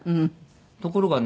ところがね